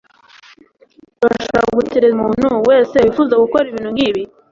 urashobora gutekereza umuntu wese wifuza gukora ibintu nkibi